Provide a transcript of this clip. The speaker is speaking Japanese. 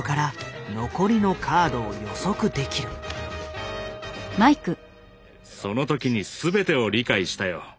つまりその時に全てを理解したよ。